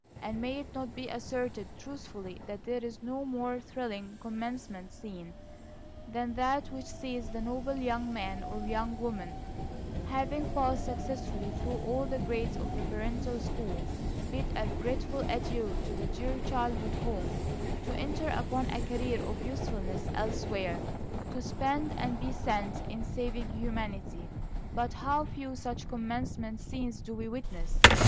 And may it not be asserted truthfully that there is no more thrilling commencement scene than that which sees the noble young man or young woman, having passed successfully through all the grades of the parental school, bid a regretful adieu to the dear childhood home, to enter upon a career of usefulness elsewhere, to spend and be spent in saving humanity? But how few such commencement scenes do we witness!